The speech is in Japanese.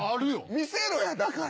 見せろやだから。